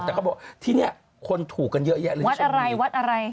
แต่เขาบอกที่นี่คนถูกกันเยอะแยะเลยวัดอะไร